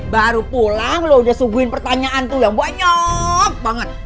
baru pulang loh udah subuhin pertanyaan tuh yang banyak banget